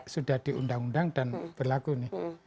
sudah di undang undang dan berlaku nih